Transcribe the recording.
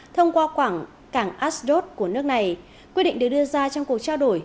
thông qua quảng cảng ashdod của nước này quyết định được đưa ra trong cuộc trao đổi